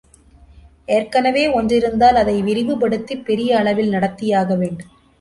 ஏற்கனவே ஒன்றிருந்தால், அதை விரிவு படுத்திப் பெரிய அளவில் நடத்தியாக வேண்டும்.